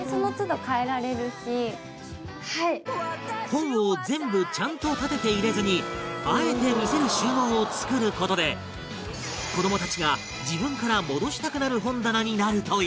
本を全部ちゃんと立てて入れずにあえて見せる収納を作る事で子どもたちが自分から戻したくなる本棚になるという